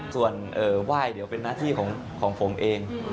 ส่วนว่าอย่างเดียวเป็นนาธิของผมเอง